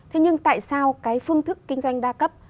thế nhưng tại sao cái phương thức kinh doanh đa cấp